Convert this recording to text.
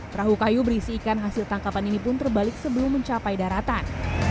perahu kayu berisi ikan hasil tangkapan ini pun terbalik sebelum mencapai daratan